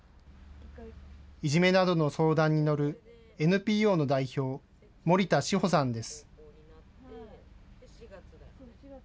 いじめなどの相談に乗るＮＰＯの代表、森田志歩さんです。